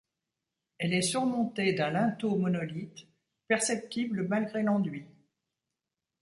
Elle est surmontée d'un linteau monolithe perceptible malgré l'enduit.